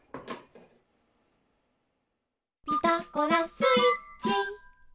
「ピタゴラスイッチ」